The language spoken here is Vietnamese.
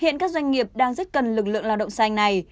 hiện các doanh nghiệp đang rất cần lực lượng lao động xanh này